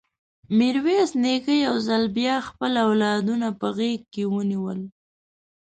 ميرويس نيکه يو ځل بيا خپل اولادونه په غېږ کې ونيول.